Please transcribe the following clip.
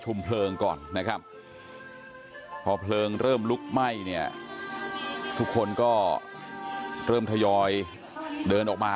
ฉันให้เธอได้เก็บความรักที่เรามีต่อกัน